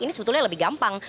ini sebetulnya lebih gampang